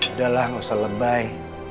udahlah gak usah lebay